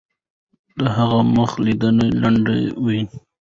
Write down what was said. د هغه مخ لیدنه لنډه وه.